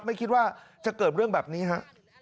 ไม่คิดว่าจะเกิดเรื่องแบบนี้ฮะ